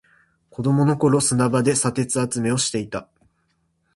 子供の頃、砂場で砂鉄集めをしていた。